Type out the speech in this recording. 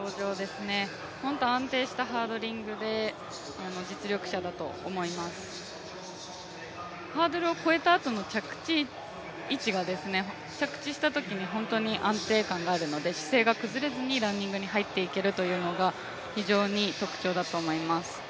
本当、安定したハードリングで実力者だと思います、ハードルを越えたあとの着地位置が着地したときに本当に安定感があるので姿勢が崩れずにランニングに入っていけるというのが非常に特徴だと思います。